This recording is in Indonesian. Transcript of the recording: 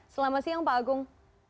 selamat siang pak agung